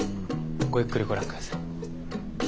ごゆっくりご覧下さい。